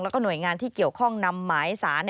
แล้วก็หน่วยงานที่เกี่ยวข้องนำหมายสาร